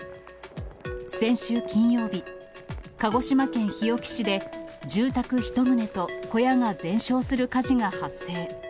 先週金曜日、鹿児島県日置市で住宅１棟と小屋が全焼する火事が発生。